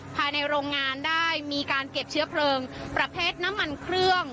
ภายในโรงงานได้มีการเก็บเชื้อเพลิงประเภทน้ำมันเครื่อง